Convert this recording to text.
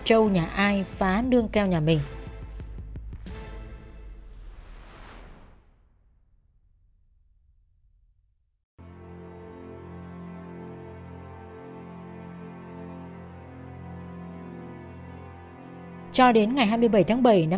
thọ lên thăm nương keo của gia đình